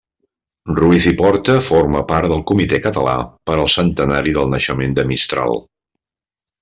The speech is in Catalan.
Ruiz i Porta formà part del Comitè català per al Centenari del naixement de Mistral.